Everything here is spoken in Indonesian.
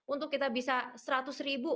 untuk kita bisa rp seratus